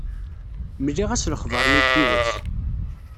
Mliɣ-as lexber-nni n tidet.